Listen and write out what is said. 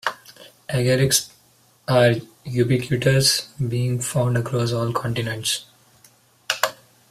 Agarics are ubiquitous, being found across all continents.